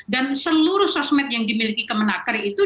dan seluruh sosmed yang dimiliki kemenaker itu